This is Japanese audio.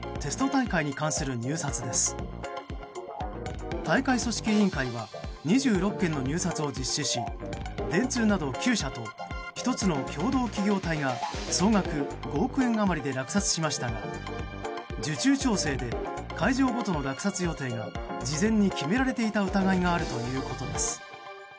大会組織委員会は２６件の入札を実施し電通など９社と１つの共同企業体が総額５億円余りで落札しましたが受注調整で会場ごとの落札予定が事前に決められていた疑いがあるということです。